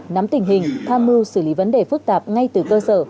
nắm tình hình tham mưu xử lý vấn đề phức tạp ngay từ cơ sở